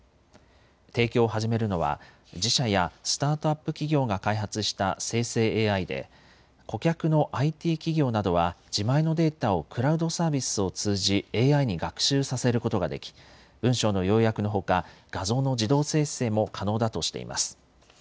提供を始めるのは自社やスタートアップ企業が開発した生成ＡＩで顧客のＩＴ企業などは自前のデータをクラウドサービスを通じＡＩに学習させることができ文章の要約のほか画像の自動生成も可能だとしています。